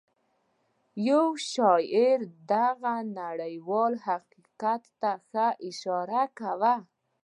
يو شاعر دغه نړيوال حقيقت ته ښه اشاره کوي.